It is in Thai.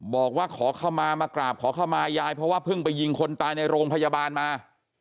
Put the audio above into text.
บอกว่าขอเข้ามามากราบขอเข้ามายายเพราะว่าเพิ่งไปยิงคนตายในโรงพยาบาลมา